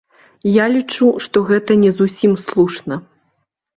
Я лічу, што гэта не зусім слушна.